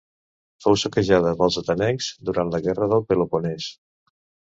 Fou saquejada pels atenencs durant la guerra del Peloponès.